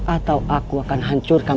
atau aku akan hancurkan